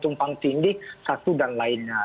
tumpang tindih satu dan lainnya